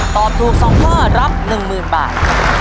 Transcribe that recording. ตอบถูกสองข้อรับหนึ่งหมื่นบาท